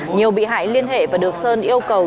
nhiều bị hại liên hệ và được sơn yêu cầu